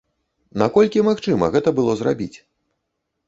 Наколькі магчыма гэта было зрабіць?